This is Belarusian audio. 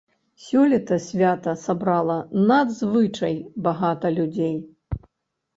Сёлета свята сабрала надзвычай багата людзей.